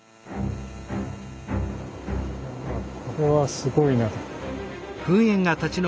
これはすごいな。